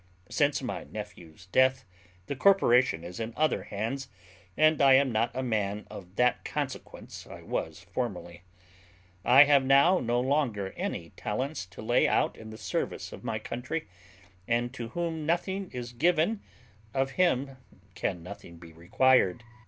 Since my nephew's death, the corporation is in other hands; and I am not a man of that consequence I was formerly. I have now no longer any talents to lay out in the service of my country; and to whom nothing is given, of him can nothing be required.